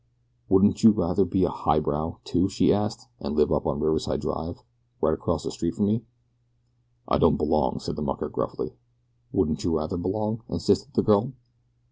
"Wouldn't you rather be a 'highbrow' too?" she asked, "and live up on Riverside Drive, right across the street from me?" "I don't belong," said the mucker gruffly. "Wouldn't you rather belong?" insisted the girl.